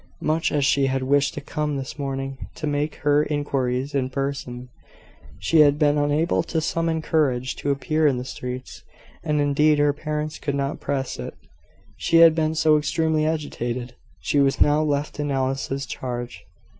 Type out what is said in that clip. Much as she had wished to come this morning, to make her inquiries in person, she had been unable to summon courage to appear in the streets; and indeed her parents could not press it she had been so extremely agitated! She was now left in Alice's charge.